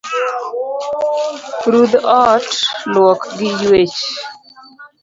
Rudh od luok gi ywech